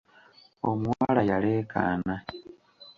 Omuwala yaleekaana.